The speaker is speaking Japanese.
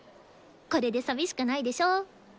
これで寂しくないでしょ？